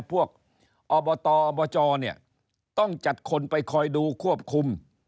พวกอบตอบจต้องจัดคนไปคอยดูควบคุม